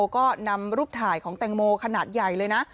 ก็นำรูปถ่ายของแตงโมขนาดใหญ่เลยนะ